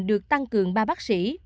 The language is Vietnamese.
được tăng cường ba bác sĩ